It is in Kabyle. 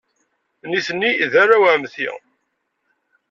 Nitni d arraw n ɛemmti.